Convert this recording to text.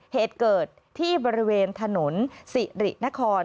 เหตุเกิดที่บริเวณถนนสิรินคร